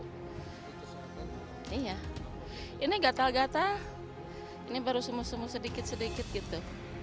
iya ini gatal gatal ini baru sumuh semu sedikit sedikit gitu